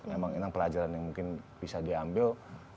memang enak pelajaran yang mungkin bisa diambil